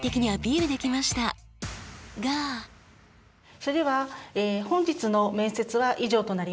それでは本日の面接は以上となります。